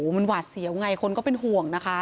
มันหวาดเสียวไงคนก็เป็นห่วงนะคะ